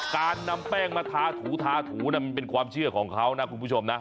การนำแป้งมาทาถูทาถูมันเป็นความเชื่อของเขานะคุณผู้ชมนะ